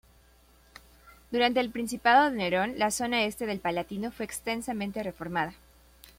Durante el principado de Nerón, la zona este del Palatino fue extensamente reformada.